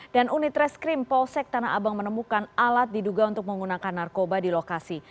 dan unit reskrim polsek tanah abang menemukan alat diduga untuk menggunakan narkoba di lokasi